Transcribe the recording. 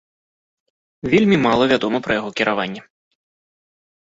Вельмі мала вядома пра яго кіраванне.